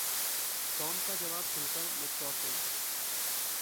Tom का जवाब सुन कर मैं चौक गयी।